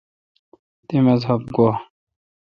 تی مذہب گوا؟